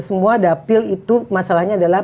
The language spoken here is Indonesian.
semua dapil itu masalahnya adalah